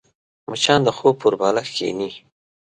مچان د خوب پر بالښت کښېني